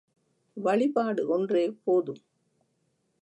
வழிபாடு ஒன்றே போதும்.